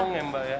ngomong ya mbak ya